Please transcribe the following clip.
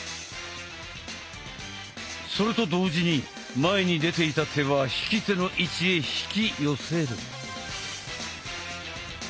それと同時に前に出ていた手は引き手の位置へ引き寄せる。